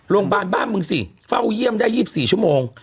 โรงพยาบาลบ้านมึงสิเฝ้าเยี่ยมได้๒๔ชั่วโมง